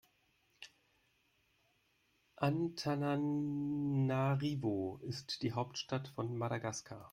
Antananarivo ist die Hauptstadt von Madagaskar.